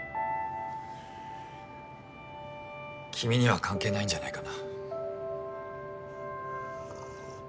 君には関係ないんじゃないかな。